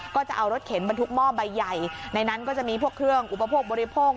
ก็จะเอารถเข็นบรรทุกหม้อใบใหญ่ในนั้นก็จะมีพวกเครื่องอุปโภคบริโภค